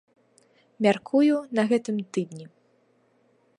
Мяркую, на гэтым тыдні.